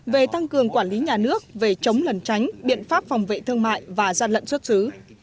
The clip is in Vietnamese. về tăng cường quản lý nhà nước về chống lần tránh biện pháp phòng vệ thương mại và gian lận xuất xứ